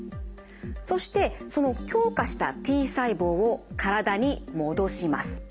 そしてその強化したＴ細胞を体に戻します。